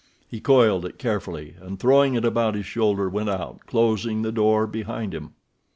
He coiled it carefully, and, throwing it about his shoulder, went out, closing the door behind him.